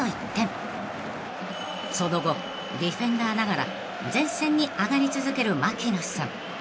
［その後ディフェンダーながら前線に上がり続ける槙野さん］